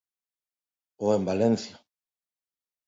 Ou en Valencia.